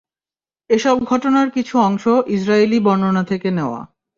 এসব ঘটনার কিছু অংশ ইসরাঈলী বর্ণনা থেকে নেয়া।